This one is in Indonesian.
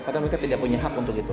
karena mereka tidak punya hak untuk itu